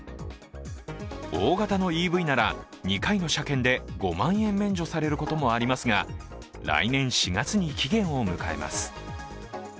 大型のＥＶなら２回の車検で５万円ほど免除されることもありますが来年４月に期限を迎えます。